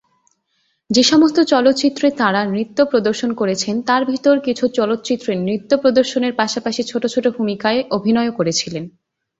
যে সমস্ত চলচ্চিত্রে তাঁরা নৃত্য প্রদর্শন করেছেন, তার ভিতর কিছু চলচ্চিত্রে নৃত্য প্রদর্শনের পাশাপাশি ছোটো ছোটো ভূমিকায় অভিনয়ও করেছিলেন।